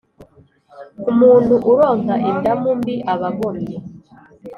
umuntu uronka indamu mbi aba agomye